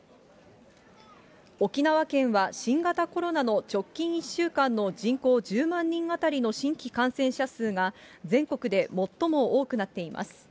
沖縄県は新型コロナの直近１週間の人口１０万人当たりの新規感染者数が、全国で最も多くなっています。